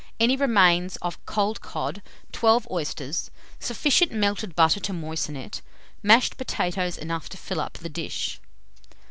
Any remains of cold cod, 12 oysters, sufficient melted butter to moisten it; mashed potatoes enough to fill up the dish.